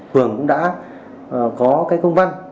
vừa cũng đã có cái công văn